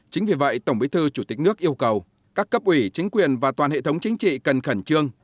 chính vì vậy tổng bí thư chủ tịch nước yêu cầu các cấp ủy chính quyền và toàn hệ thống chính trị cần khẩn trương